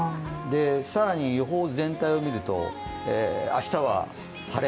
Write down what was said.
更に予報全体を見ると、明日は晴れ。